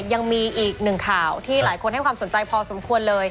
ยังมีอีกหนึ่งข่าวที่หลายคนให้ความสนใจพอสมควรเลย